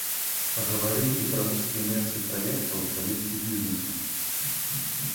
Пагаварылі і пра вузкія месцы праектаў з пазіцый бізнесу.